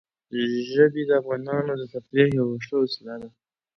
ژبې د افغانانو د تفریح یوه ښه وسیله ده.